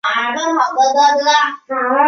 西会清真寺始建于清朝道光年间。